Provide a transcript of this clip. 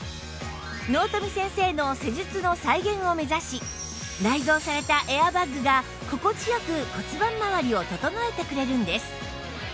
納富先生の施術の再現を目指し内蔵されたエアバッグが心地良く骨盤まわりを整えてくれるんです